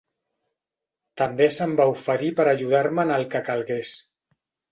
També se'm va oferir per ajudar-me en el que calgués.